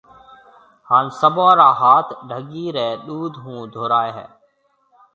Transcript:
ھان سڀون را ھاٿ ڍگِي رَي ڏُوڌ ھون ڌورائيَ ھيَََ